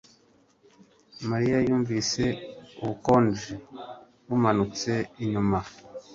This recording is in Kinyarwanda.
mariya yumvise ubukonje bumanutse inyuma